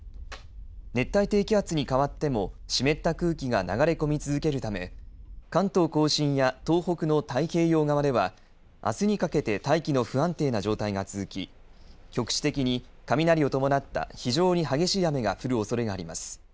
熱帯低気圧に変わっても湿った空気が流れ込み続けるため関東甲信や東北の太平洋側ではあすにかけて大気の不安定な状態が続き局地的に雷を伴った非常に激しい雨が降るおそれがあります。